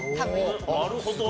なるほど。